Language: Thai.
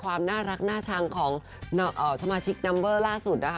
ความน่ารักน่าชังของสมาชิกนัมเวอร์ล่าสุดนะคะ